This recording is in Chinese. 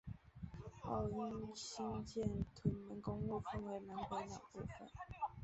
后因兴建屯门公路分为南北两部份。